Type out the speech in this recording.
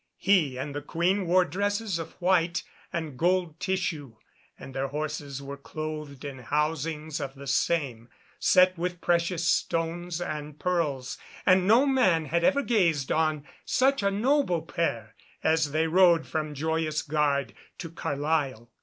He and the Queen wore dresses of white and gold tissue, and their horses were clothed in housings of the same, set with precious stones and pearls; and no man had ever gazed on such a noble pair, as they rode from Joyous Gard to Carlisle.